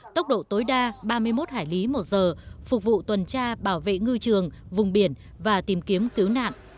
tốc độ tối đa ba mươi một hải lý một giờ phục vụ tuần tra bảo vệ ngư trường vùng biển và tìm kiếm cứu nạn